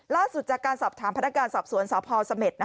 ล่าสุดจากการสอบถามพนักการสอบสวนสพเสม็ด